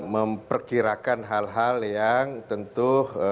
memperkirakan hal hal yang tentu